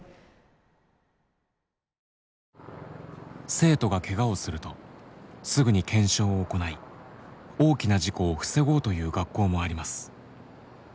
生徒がけがをするとすぐに検証を行い大きな事故を防ごうという学校もあります。